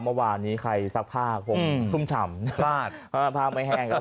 เมื่อวานนี้ใครซักพลาดอืมทุ่มถ่ำพลาดพลาดไม่แห้งครับ